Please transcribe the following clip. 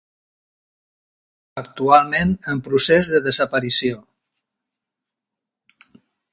Actualment en procés de desaparició.